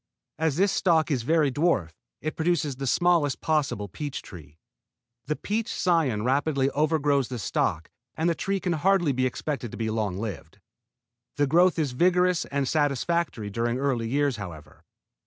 As this stock is very dwarf, it produces the smallest possible peach tree. The peach cion rapidly overgrows the stock and the tree can hardly be expected to be long lived. The growth is very vigorous and satisfactory during early years, however.